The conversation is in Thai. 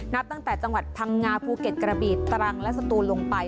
นับตั้งแต่จังหวัดพังงาภูเก็ตกระบีตรังและสตูนลงไป